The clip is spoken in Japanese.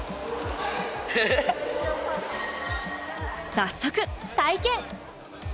早速体験！